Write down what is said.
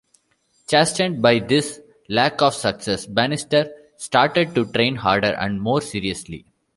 Chastened by this lack of success, Bannister started to train harder and more seriously.